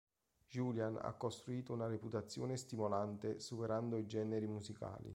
Julian ha costruito una reputazione stimolante superando i generi musicali.